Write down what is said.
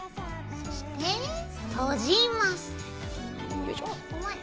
そして閉じます。